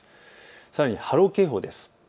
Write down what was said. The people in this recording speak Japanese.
さらに波浪警報です。